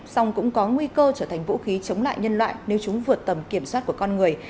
song cũng có nguy cơ trở thành vũ khí chống lại nhân loại nếu chúng vượt tầm kiểm soát của con người